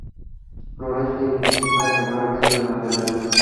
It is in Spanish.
Florece y fructifica irregularmente durante el año.